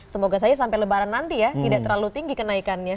semoga saja sampai lebaran nanti ya tidak terlalu tinggi kenaikannya